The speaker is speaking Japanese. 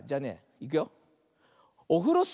いくよ。